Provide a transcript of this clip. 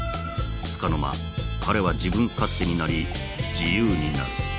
つかの間彼は自分勝手になり自由になる。